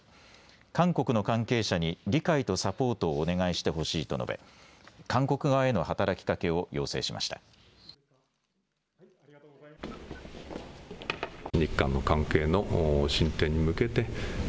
韓国の関係者に理解とサポートをお願いしてほしいと述べ韓国側への働きかけを要請しました。